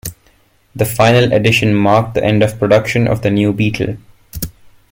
The "Final Edition" marked the end of production of the New Beetle.